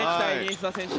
須田選手。